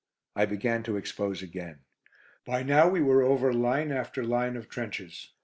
I began to expose again. By now we were over line after line of trenches.